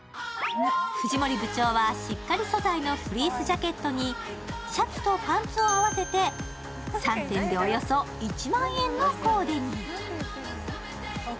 藤森部長はしっかり素材のフリースジャケットにシャツとパンツを合わせて、３点でおよそ１万円のコーデに。